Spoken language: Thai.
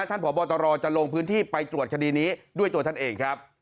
พบตรจะลงพื้นที่ไปตรวจคดีนี้ด้วยตัวท่านเองครับ